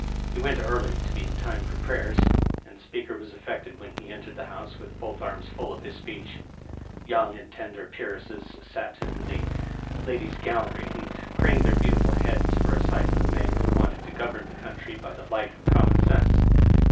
He went early to be in time for prayers, and the Speaker was affected when he entered the House with both arms full of his speech. Young and tender peeresses sat in the Digitized by VjOOQIC 178 EILBT, M.P. ladies' gallery, and craned their beantifnl heads for a sight of the man who wanted to govern the country by the light of common sense.